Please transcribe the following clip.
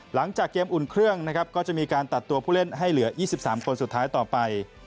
หลังจากเกมอุ่นเครื่องนะครับก็จะมีการตัดตัวผู้เล่นให้เหลือ๒๓คนสุดท้ายต่อไป